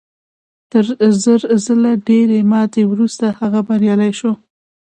تر زر ځله ډېرې ماتې وروسته هغه بریالی شو